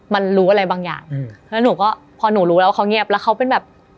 มันรู้อะไรบางอย่างอืมแล้วหนูก็พอหนูรู้แล้วว่าเขาเงียบแล้วเขาเป็นแบบ